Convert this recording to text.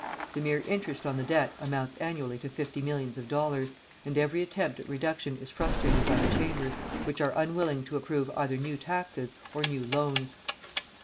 The mere interest on the debt amounts annually to fifty millions of dollars, and every attempt at reduction is frustrated by the Chambers, which are unwilling to approve either new taxes or new loans.